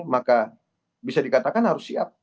maka bisa dikatakan harus siap